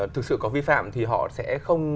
thực sự có vi phạm thì họ sẽ không